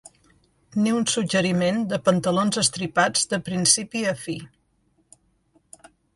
Ni un suggeriment de pantalons estripats de principi a fi.